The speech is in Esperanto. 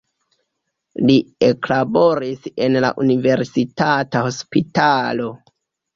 Li eklaboris en la universitata hospitalo.